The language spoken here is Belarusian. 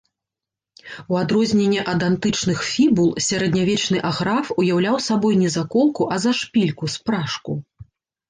У адрозненне ад антычных фібул, сярэднявечны аграф уяўляў сабой не заколку, а зашпільку, спражку.